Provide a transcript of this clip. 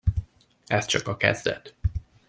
Ez csak a kezdet.